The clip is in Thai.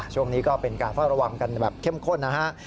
ช่วงนี้ก็เป็นการเฝ้าระวังกันแบบเข้มข้นนะฮะ